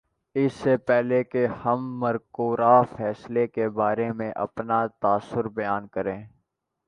اس سے پہلے کہ ہم مذکورہ فیصلے کے بارے میں اپنا تاثر بیان کریں